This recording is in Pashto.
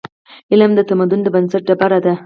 علم د تمدنونو د بنسټ ډبره ده.